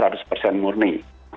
maka dengan demikian diizinkan ada